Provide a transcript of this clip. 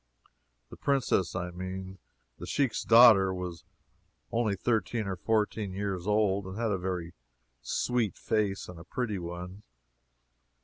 The princess I mean the Shiek's daughter was only thirteen or fourteen years old, and had a very sweet face and a pretty one.